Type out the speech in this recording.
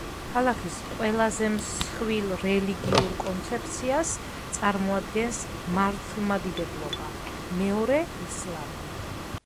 ქალაქის ყველაზე მსხვილ რელიგიურ კონცეფციას წარმოადგენს მართლმადიდებლობა, მეორე ისლამია.